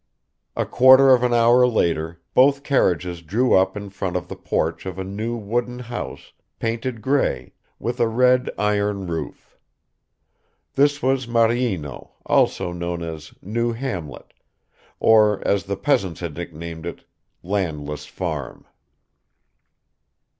A quarter of an hour later both carriages drew up in front of the porch of a new wooden house, painted grey, with a red iron roof. This was Maryino, also known as New Hamlet, or as the peasants had nicknamed it, Landless Farm.